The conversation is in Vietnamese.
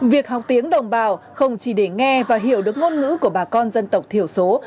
việc học tiếng đồng bào không chỉ để nghe và hiểu được ngôn ngữ của bà con dân tộc thiểu số